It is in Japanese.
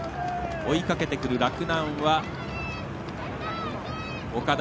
追いかけてくる洛南は、岡田。